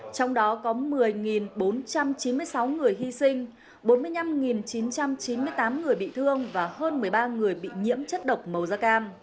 trong đó có một mươi bốn trăm chín mươi sáu người hy sinh bốn mươi năm chín trăm chín mươi tám người bị thương và hơn một mươi ba người bị nhiễm chất độc màu da cam